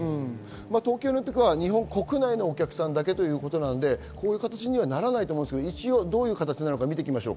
東京オリンピックは国内のお客さんだけということで、こういう形にはならないと思いますが、どういう形か見ていきましょう。